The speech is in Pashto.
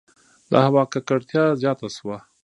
• د هوا ککړتیا زیاته شوه.